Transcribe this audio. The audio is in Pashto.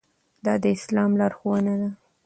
دا د اسلام لارښوونه ده.